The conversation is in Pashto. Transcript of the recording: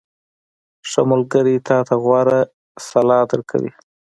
• ښه ملګری تا ته غوره سلا درکوي.